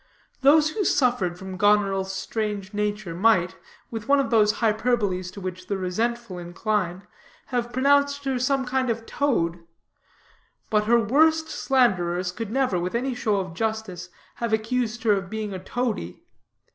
Those who suffered from Goneril's strange nature, might, with one of those hyberboles to which the resentful incline, have pronounced her some kind of toad; but her worst slanderers could never, with any show of justice, have accused her of being a toady.